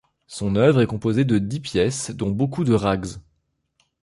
Son œuvre est composé de dix pièces, dont beaucoup de rags.